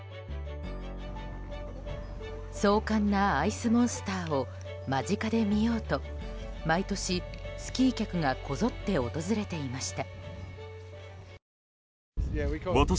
壮観なアイスモンスターを間近で見ようと毎年、スキー客がこぞって訪れていました。